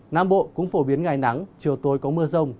nam bộ cũng phổ biến ngày nắng chiều tối có mưa rông